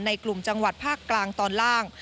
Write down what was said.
กลุ่มจังหวัดภาคกลางตอนล่าง